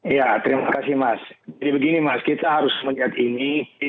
ya terima kasih mas jadi begini mas kita harus melihat ini